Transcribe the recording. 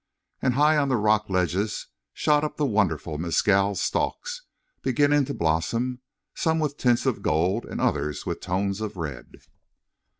And high on the rock ledges shot up the wonderful mescal stalks, beginning to blossom, some with tints of gold and others with tones of red.